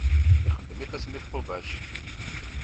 Ixeddem ifassen i tqubac.